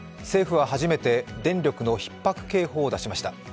政府は初めて電力のひっ迫警報を出しました。